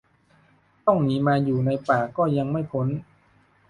ต้องหนีมาอยู่ในป่าก็ยังไม่พ้น